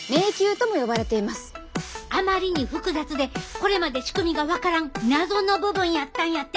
あまりに複雑でこれまで仕組みが分からん謎の部分やったんやて。